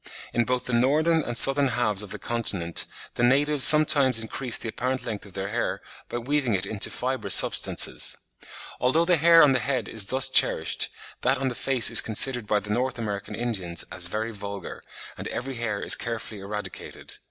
In both the Northern and Southern halves of the continent the natives sometimes increase the apparent length of their hair by weaving into it fibrous substances. Although the hair on the head is thus cherished, that on the face is considered by the North American Indians "as very vulgar," and every hair is carefully eradicated.